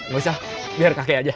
gak usah biar kakek aja